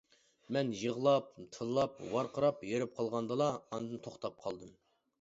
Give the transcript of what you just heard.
مەن يىغلاپ، تىللاپ، ۋارقىراپ ھېرىپ قالغاندىلا ئاندىن توختاپ قالدىم.